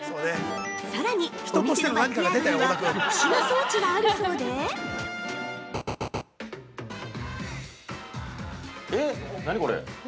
◆さらに、お店のバックヤードには特殊な装置があるそうで◆えっ、何これ。